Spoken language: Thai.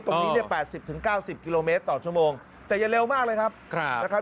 ตรงนี้เนี่ย๘๐๙๐กิโลเมตรต่อชั่วโมงแต่อย่าเร็วมากเลยครับนะครับ